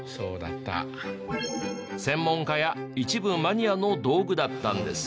専門家や一部マニアの道具だったんです。